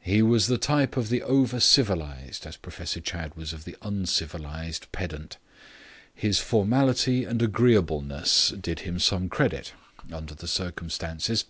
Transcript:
He was the type of the over civilized, as Professor Chadd was of the uncivilized pedant. His formality and agreeableness did him some credit under the circumstances.